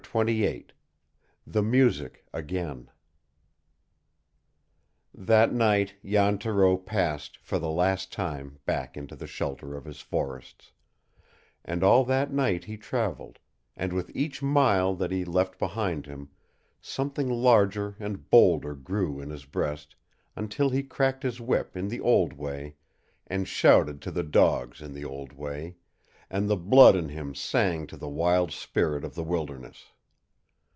CHAPTER XXVIII THE MUSIC AGAIN That night Jan Thoreau passed for the last time back into the shelter of his forests; and all that night he traveled, and with each mile that he left behind him something larger and bolder grew in his breast until he cracked his whip in the old way, and shouted to the dogs in the old way, and the blood in him sang to the wild spirit of the wilderness.